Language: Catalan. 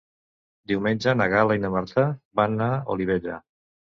Diumenge na Gal·la i na Marta van a Olivella.